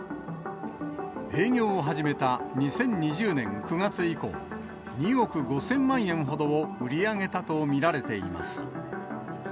営業を始めた２０２０年９月以降、２億５０００万円ほどを売り上げたと見られています。